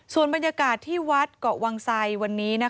ส่วนบรรยากาศที่วัดเกาะวังไสวันนี้